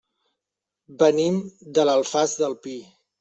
Venim de l'Alfàs del Pi.